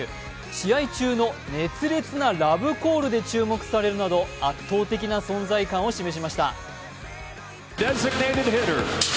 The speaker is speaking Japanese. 試合中の熱烈なラブコールで注目されるなど、圧倒的な存在感を示しました。